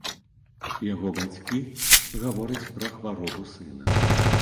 Яго бацькі гавораць пра хваробу сына.